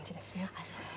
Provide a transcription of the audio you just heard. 「ああそう。